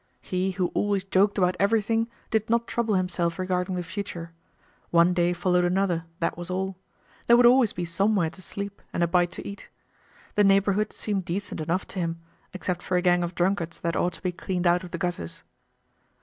He, who always joked about everything did not trouble himself regarding the future. One day followed another, that was all. There would always be somewhere to sleep and a bite to eat. The neighborhood seemed decent enough to him, except for a gang of drunkards that ought to be cleaned out of the gutters.